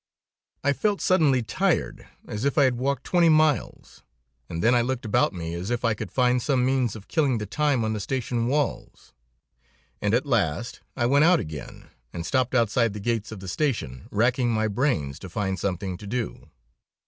I felt suddenly tired, as if I had walked twenty miles, and then I looked about me as if I could find some means of killing the time on the station walls, and at last I went out again, and stopped outside the gates of the station, racking my brains to find something to do.